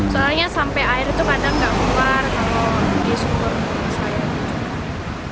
soalnya sampai air itu kadang nggak keluar kalau di suhur misalnya